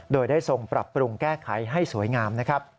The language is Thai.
โดยได้ทรงปรับปรุงแก้ไขให้สวยงามนะครับ